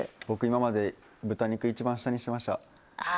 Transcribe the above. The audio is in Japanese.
僕、今まで豚肉は一番下にしてました。